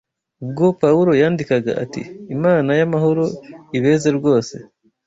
Ubwo Pawulo yandikaga ati, “Imana y’amahoro ibeze rwose